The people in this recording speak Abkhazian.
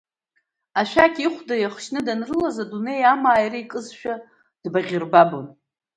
Ашәақь ихәда иахшьны данрылаз адунеи амаа иара икызшәа дбаӷьырбабон.